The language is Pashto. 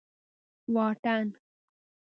واټن